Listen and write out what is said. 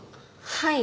はい。